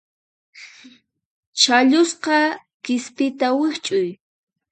Chhallusqa qispita wikch'uy.